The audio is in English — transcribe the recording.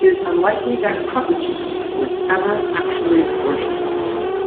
It is unlikely that Crepitus was ever actually worshipped.